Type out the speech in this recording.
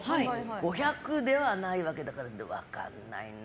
５００ではないわけだから分からないな。